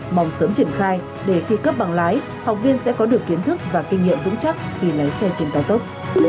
mong sớm triển khai để khi cấp bằng lái học viên sẽ có được kiến thức và kinh nghiệm vững chắc khi lái xe trên cao tốc